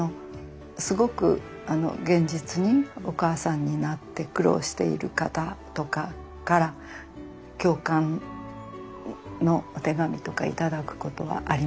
すごく現実にお母さんになって苦労している方とかから共感のお手紙とか頂くことはありますね。